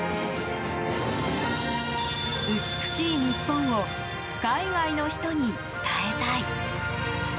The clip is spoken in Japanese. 美しい日本を海外の人に伝えたい。